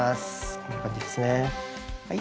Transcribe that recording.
こんな感じですねはい。